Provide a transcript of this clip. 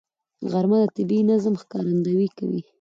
غرمه د طبیعي نظم ښکارندویي کوي